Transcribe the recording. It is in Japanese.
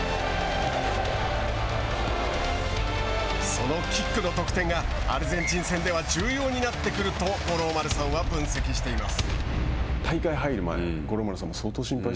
そのキックの得点がアルゼンチン戦では重要になってくると五郎丸さんは分析しています。